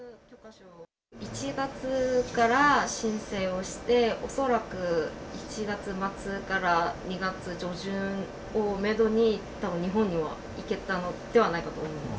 １月から申請をして、恐らく１月末から２月上旬をメドに、たぶん日本には行けたのではないかと思います。